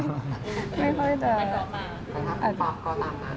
นากตามมาแต่ครับแล้วก็ตามมา